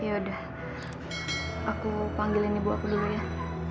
ya aku panggil ibu aku dulu